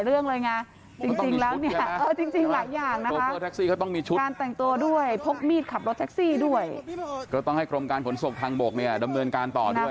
เรื่องของการพามีดมาในทางสาธารณะ